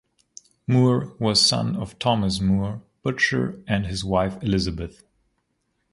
Moore was the son of Thomas Moore, butcher, and his wife Elizabeth.